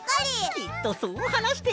きっとそうはなしてるんだよ。